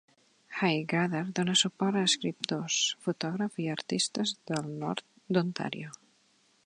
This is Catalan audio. "HighGrader" dóna suport a escriptors, fotògrafs i artistes del nord d'Ontario.